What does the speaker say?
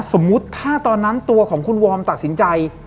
สมมุติถ้าตอนนั้นตัวของคุณวอร์มตัดสินใจ